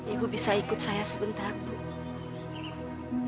ibu bisa ikut saya sebentar bu